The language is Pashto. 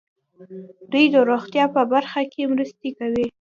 دوی د روغتیا په برخه کې مرستې کوي.